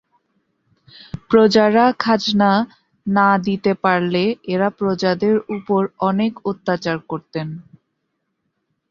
প্রজারা খাজনা না দিতে পারলে এরা প্রজাদের উপর অনেক অত্যাচার করতেন।